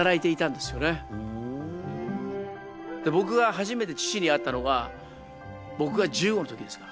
で僕が初めて父に会ったのが僕が１５の時ですから。